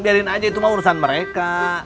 biarin aja itu mah urusan mereka